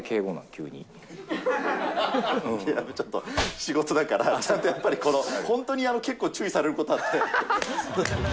急いや、ちょっと仕事だから、ちゃんとやっぱり、本当に結構注意されることあって。